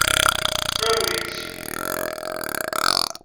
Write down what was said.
Awi-tt.